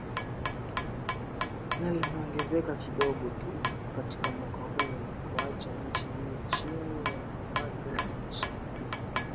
na limeongezeka kidogo tu katika mwaka huo, na kuiacha nchi hiyo chini ya mapato ya chini .